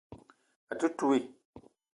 A te touii.